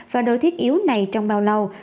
và đồ thiết yếu này trong bao lâu